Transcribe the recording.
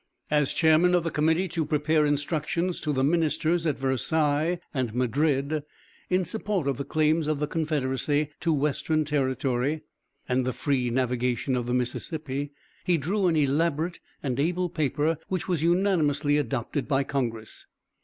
As chairman of the committee to prepare instructions to the ministers at Versailles and Madrid, in support of the claims of the confederacy to western territory and the free navigation of the Mississippi, he drew an elaborate and able paper which was unanimously adopted by congress.